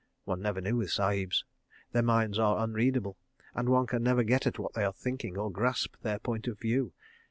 ... One never knew with Sahibs. Their minds are unreadable, and one can never get at what they are thinking, or grasp their point of view.